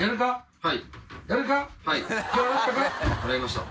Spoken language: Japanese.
はい。